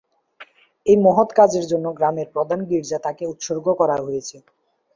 এই মহৎ কাজের জন্য গ্রামের প্রধান গির্জা তাকে উৎসর্গ করা হয়েছে।